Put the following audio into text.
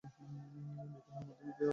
বিজ্ঞাপনের মাধ্যমে এটি রাজস্ব আদায় করে।